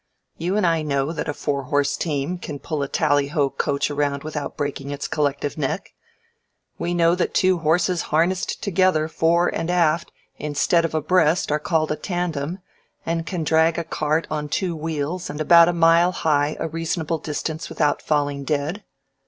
You and I know that a four horse team can pull a tally ho coach around without breaking its collective neck. We know that two horses harnessed together fore and aft instead of abreast are called a tandem, and can drag a cart on two wheels and about a mile high a reasonable distance without falling dead.